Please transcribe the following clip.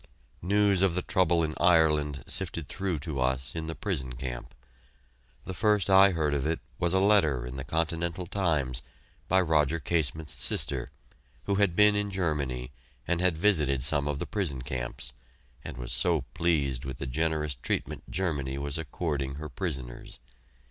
News of the trouble in Ireland sifted through to us in the prison camp. The first I heard of it was a letter in the "Continental Times," by Roger Casement's sister, who had been in Germany and had visited some of the prison camps, and was so pleased with the generous treatment Germany was according her prisoners.